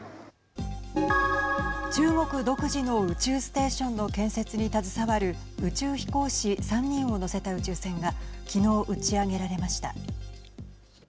中国独自の宇宙ステーションの建設に携わる宇宙飛行士３人を乗せた宇宙船がきのう、打ち上げられました。